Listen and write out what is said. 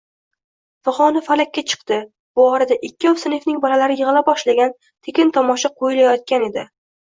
Figʻoni falakka chiqdi. Bu orada ikkov sinfning bolalari yigʻila boshlagan, tekin tomosha qoʻyilayotgan edi.